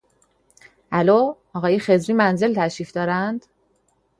الو، آقای خضری منزل تشریف دارند؟